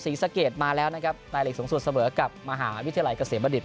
ศรีสะเกดมาแล้วนะครับนายเหล็กสงสัตว์เสมอกับมหาวิทยาลัยเกษตรประดิษฐ์